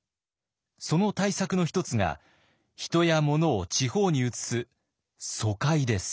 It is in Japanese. その対策の一つが人や物を地方に移す疎開です。